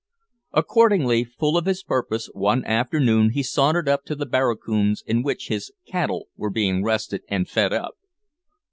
Accordingly, full of his purpose, one afternoon he sauntered up to the barracoons in which his "cattle" were being rested and fed up.